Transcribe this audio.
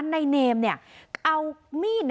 ในเนมเนี่ยเอามีด